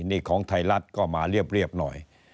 นี่ของไทยรัฐก็มาเรียบหน่อย